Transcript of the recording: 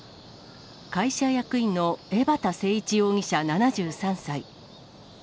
会社役員の江畑誠一容疑者７３歳。